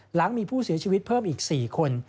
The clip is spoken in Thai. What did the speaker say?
หลังมีผู้เสียชีวิตเพิ่มอีก๔คน